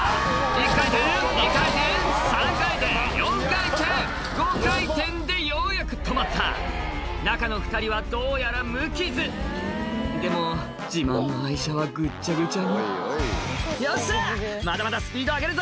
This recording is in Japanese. １回転２回転３回転４回転５回転でようやく止まった中の２人はどうやら無傷でも自慢の愛車はぐっちゃぐちゃに「よっしゃまだまだスピード上げるぞ！」